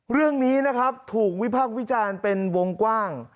เรื่องนี้นะครับถูกวิพากษ์วิจารณ์เป็นวงกว้าง